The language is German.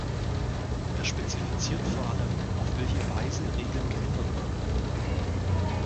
Er spezifiziert vor allem, auf welche Weise Regeln geändert werden können.